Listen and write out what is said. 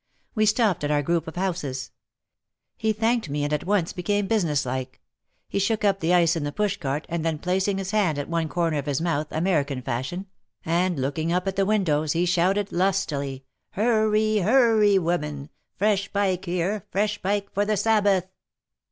We stopped at our group of houses. He thanked me and at once became business like. He shook up the ice in the push cart and then placing his hand at one corner of his mouth, American fashion, and looking up at the io6 OUT OF THE SHADOW windows he shouted lustily: "Hurry, hurry, women! Fresh pike here, fresh pike for the Sabbath."